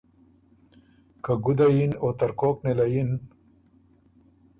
که ګُده یِن او ترکوک نېله یِن